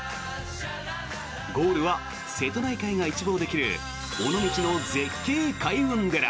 ゴールは瀬戸内海が一望できる尾道の絶景開運寺。